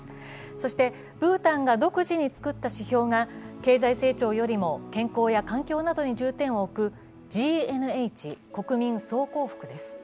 そして、ブータンが独自に作った指標が経済成長よりも健康や環境などに重点を置く、ＧＮＨ＝国民総幸福です。